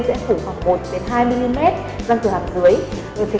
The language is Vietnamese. sẽ phủ khoảng một hai mm răng cửa hàm dưới